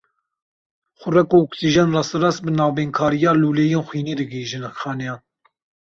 Xurek û oksîjen rasterast bi navbeynkariya lûleyên xwînê digihîjin xaneyan.